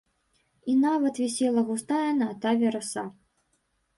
І нават вісела густая на атаве раса.